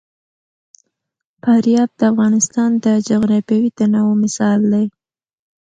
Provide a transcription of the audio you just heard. فاریاب د افغانستان د جغرافیوي تنوع مثال دی.